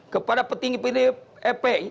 kepada petinggi pdp